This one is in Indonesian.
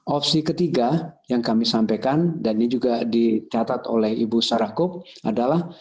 opsi ketiga yang kami sampaikan dan ini juga dicatat oleh ibu sarahkop adalah